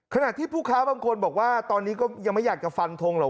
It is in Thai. ขณะที่ผู้ค้าบางคนบอกว่าตอนนี้ก็ยังไม่อยากจะฟันทงหรอก